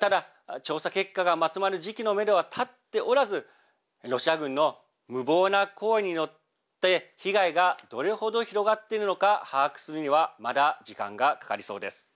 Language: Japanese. ただ、調査結果がまとまる時期のめどは立っておらずロシア軍の無謀な行為によって被害がどれほど広がっているのか把握するにはまだ時間がかかりそうです。